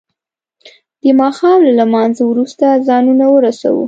د ما ښام له لما نځه وروسته ځانونه ورسو.